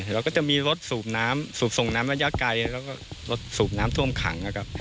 เราก็จะมีรถสูบน้ำสูบส่งน้ำระยะไกลแล้วก็รถสูบน้ำท่วมขังนะครับ